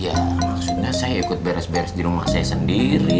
ya maksudnya saya ikut beres beres di rumah saya sendiri